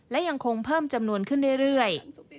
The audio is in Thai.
และยังคงเพิ่มจำนวนขึ้นเรื่อย